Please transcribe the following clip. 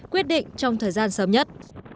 quyết định trong thời gian sớm nhất